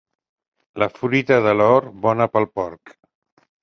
La fruita de l'hort, bona pel porc.